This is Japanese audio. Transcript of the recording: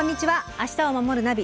「明日をまもるナビ」